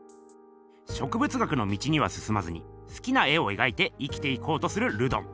植物学の道にはすすまずに好きな絵を描いて生きていこうとするルドン。